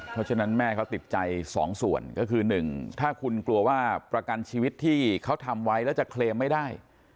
เพราะฉะนั้นแม่เขาติดใจสองส่วนก็คือ๑ถ้าคุณกลัวว่าประกันชีวิตที่เขาทำไว้แล้วจะเคลมไม่ได้